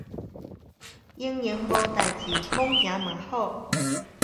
閒閒無代誌，罔行嘛好